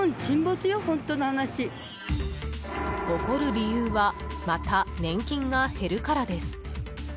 怒る理由はまた年金が減るからです。